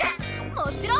もちろん。